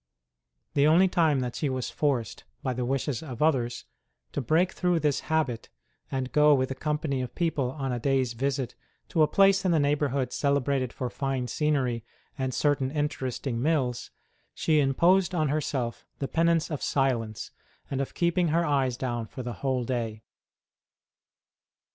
The only time that she was forced, by the wishes of others, to break through this habit and go with a company of people on a day s visit to a place in the neighbourhood celebrated for fine scenery and certain interesting mills, she imposed on herself the penance of silence, and of keeping her eyes down for the whole day.